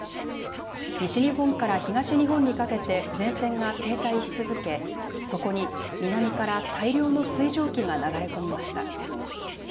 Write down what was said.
西日本から東日本にかけて前線が停滞し続け、そこに南から大量の水蒸気が流れ込みました。